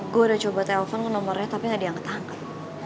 gue udah coba telpon ke nomornya tapi gak ada yang ngetahankan